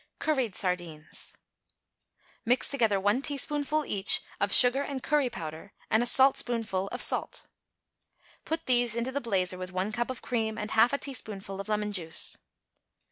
=Curried Sardines.= Mix together one teaspoonful, each, of sugar and curry powder and a saltspoonful of salt. Put these into the blazer with one cup of cream and half a teaspoonful of lemon juice.